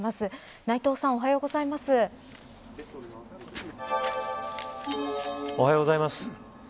内藤さん、おはようございます。